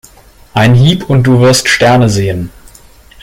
Ein Hieb und du wirst Sterne sehen.